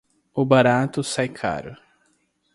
O barato sai caro